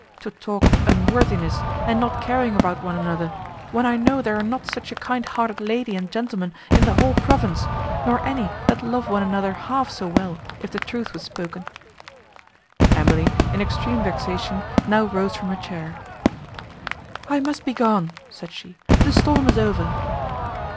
To talk of unworthiness, and not caring about one another, when I know there are not such a kind hearted lady and gentleman in the whole province, nor any that love one another half so well, if the truth was spoken!" Emily, in extreme vexation, now rose from her chair, "I must be gone," said she, "the storm is over."